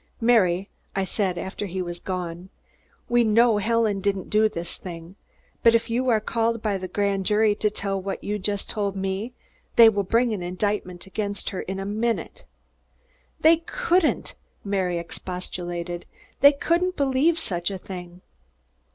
"Mary," I said, after he had gone, "we know Helen didn't do this thing, but if you are called by the grand jury to tell what you just told me, they will bring an indictment against her in a minute." "They couldn't!" Mary expostulated. "They couldn't believe such a thing."